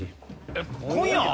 えっ今夜！？